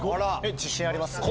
自信あります？